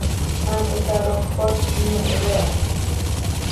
Han usado "Hot 'N Ready!